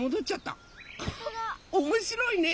おもしろいね。